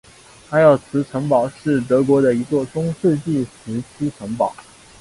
埃尔茨城堡是德国的一座中世纪时期城堡。